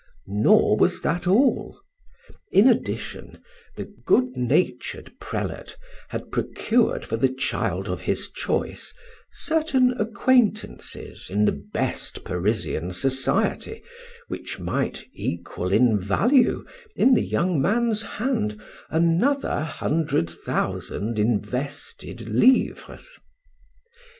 Nor was that all. In addition, the good natured prelate had procured for the child of his choice certain acquaintances in the best Parisian society, which might equal in value, in the young man's hand, another hundred thousand invested livres.